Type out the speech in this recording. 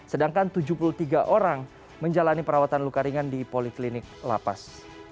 sedangkan tujuh puluh tiga orang menjalani perawatan luka ringan di poliklinik lapas